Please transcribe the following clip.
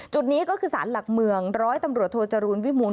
จุดนี้ก็คือสารหลักเมืองร้อยตำรวจโทจรูลวิมูล